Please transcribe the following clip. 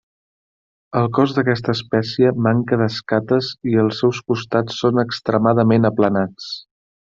El cos d'aquesta espècie manca d'escates i els seus costats són extremadament aplanats.